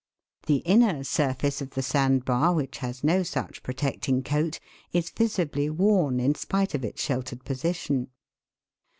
The inner surface of the sand bar, which has no such protecting coat, is visibly worn in spite of its sheltered position.